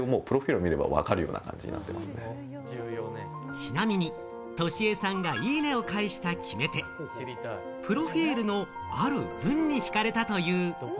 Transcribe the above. ちなみに、としえさんがいいねを返した決め手、プロフィルのある文にひかれたという。